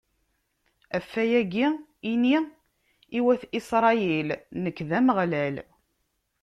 ɣef wayagi, ini i wat Isṛayil: Nekk, d Ameɣlal.